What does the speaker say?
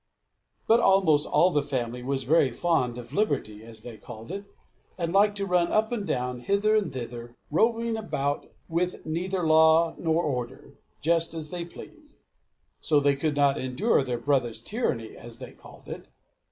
But almost all the family was very fond of liberty, as they called it; and liked to run up and down, hither and thither, roving about, with neither law nor order, just as they pleased. So they could not endure their brother's tyranny, as they called it.